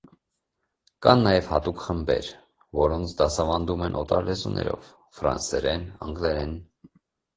Կան նաև հատուկ խմբեր, որոնց դասավանդում են օտար լեզուներով (ֆրանսերեն, անգլերեն)։